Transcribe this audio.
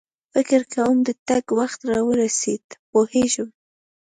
فکر کوم د تګ وخت را ورسېد، پوهېږم.